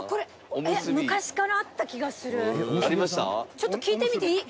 ちょっと聞いてみていい？